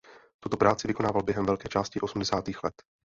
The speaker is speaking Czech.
Tuto práci vykonával během velké části osmdesátých let.